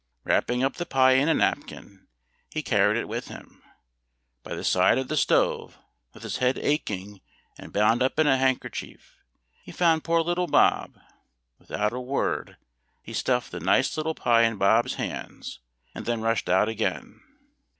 Wrapping up the pie in a napkin, he carried it with him. By the side of the stove, with his head aching and bound up in a handkerchief, he found poor little Bob. Without a word, he stuffed the nice little pie in Bob's hands, and then rushed out again.